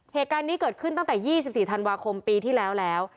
เหตุการณ์นี้เกิดขึ้นตั้งแต่๒๔ธันวาคมปีที่แล้วแล้ว